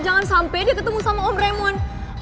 jangan sampai dia ketemu sama om raymond